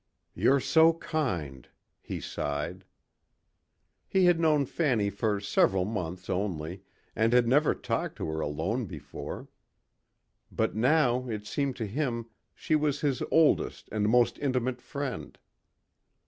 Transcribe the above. "You're so kind," he sighed. He had known Fanny for several months only and had never talked to her alone before. But now it seemed to him she was his oldest and most intimate friend.